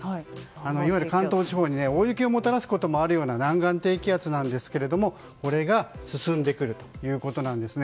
いわゆる関東地方に大雪をもたらすこともあるような南岸低気圧ですがこれが進んでくるということです